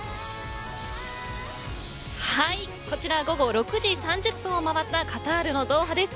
はい、こちらは午後６時３０分を回ったカタールのドーハです。